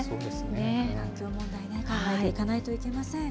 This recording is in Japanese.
環境問題ね、考えていかないといけません。